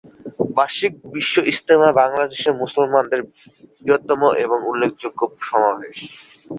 বার্ষিক বিশ্ব ইজতেমা বাংলাদেশের মুসলমানদের বৃহত্তম ও উল্লেখযোগ্য সমাবেশ।